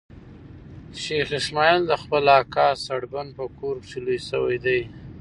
شېخ اسماعیل د خپل اکا سړبن په کور کښي لوی سوی دئ.